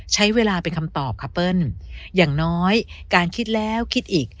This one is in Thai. ใช้เวลาเป็นคำตอบค่ะเปิ้ลอย่างน้อยการคิดแล้วคิดอีก